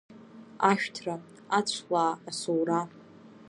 Ашәҭра, ацәлаа, асоура!